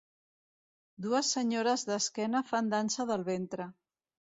Dues senyores d'esquena fan dansa del ventre.